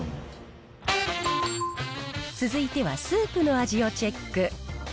続いてはスープの味をチェック。